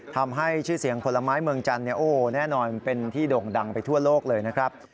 ทำให้ชื่อเสียงผลไม้เมืองจันทร์แน่นอนเป็นที่โด่งดังไปทั่วโลกเลยนะครับ